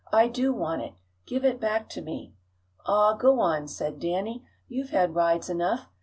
I do want it! Give it back to me!" "Aw, go on!" said Danny. "You've had rides enough.